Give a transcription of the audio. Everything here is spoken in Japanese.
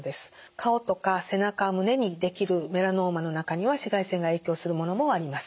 顔とか背中胸にできるメラノーマの中には紫外線が影響するものもあります。